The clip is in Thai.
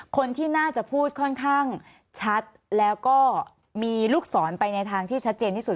คนที่น่าจะพูดค่อนข้างชัดแล้วก็มีลูกศรไปในทางที่ชัดเจนที่สุด